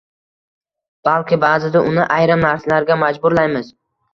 balki ba’zida uni ayrim narsalarga majburlaymiz.